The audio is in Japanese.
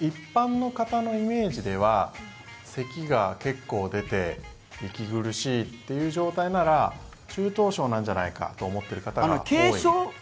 一般の方のイメージではせきが結構出て息苦しいっていう状態なら中等症なんじゃないかと思っている方が多い。